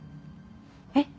えっ？